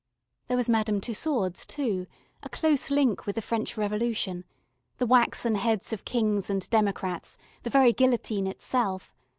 There was Madame Tussaud's too, a close link with the French Revolution: the waxen heads of kings and democrats, the very guillotine itself.